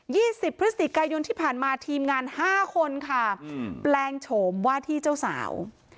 สิบพฤศจิกายนที่ผ่านมาทีมงานห้าคนค่ะอืมแปลงโฉมว่าที่เจ้าสาว